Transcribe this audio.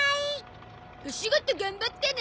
お仕事頑張ってね。